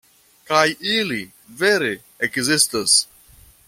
Kaj ili, vere, ekzistas.